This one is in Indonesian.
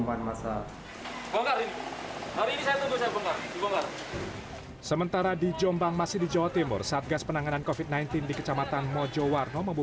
peristiwa ini terjadi rabu lalu